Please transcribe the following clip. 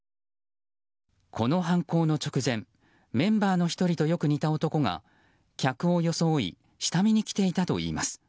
この犯行の直前メンバーの１人とよく似た男が客を装い下見に来ていたといいます。